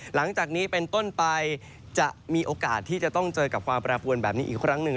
หลังจากนี้เป็นต้นไปจะมีโอกาสที่จะต้องเจอกับความแปรปวนแบบนี้อีกครั้งหนึ่ง